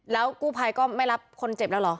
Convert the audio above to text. แล้วกู้ภัยก็ไม่รับคนเจ็บแล้วเหรอ